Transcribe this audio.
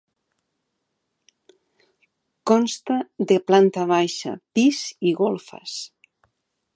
Consta de planta baixa, pis i golfes.